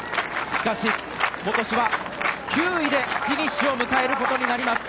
しかし、今年は９位でフィニッシュを迎えることになります。